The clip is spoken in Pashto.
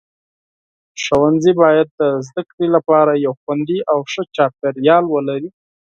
ښوونځي باید د زده کړې لپاره یو خوندي او ښه چاپیریال ولري.